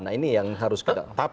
nah ini yang harus kita